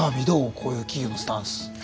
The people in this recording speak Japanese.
こういう企業のスタンス。